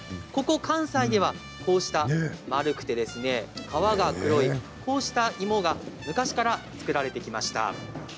ここ関西ではこうした丸くてですね皮が黒い、こうした芋が昔から作られてきました。